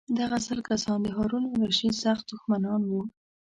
دغه سل کسان د هارون الرشید سخت دښمنان وو.